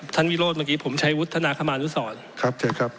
ท่านวิโรธเมื่อกี้ผมชัยวุฒิธนาคมานุสรครับเจอครับ